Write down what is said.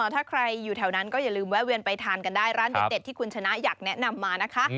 ถ้าใครอยู่แถวนั้นก็อย่าลืมแวะเวียนไปทานกันได้ร้านเด็ดที่คุณชนะอยากแนะนำมานะคะ